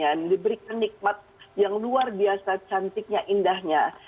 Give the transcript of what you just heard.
yang diberikan nikmat yang luar biasa cantiknya indahnya